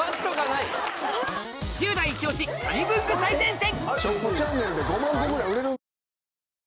１０代イチ押し紙文具最前線